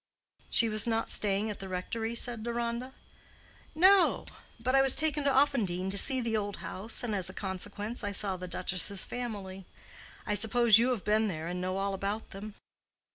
"She was not staying at the rectory?" said Deronda. "No; but I was taken to Offendene to see the old house, and as a consequence I saw the duchess' family. I suppose you have been there and know all about them?"